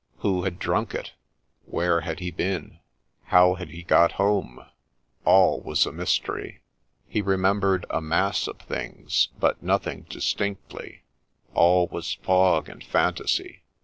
Who had drunk it ?— where had he been ?— how had he got home T — all was a mystery !— he remembered ' a mass of things, but nothing distinctly '; all was fog and fantasy.